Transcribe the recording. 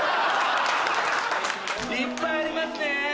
いっぱいありますね。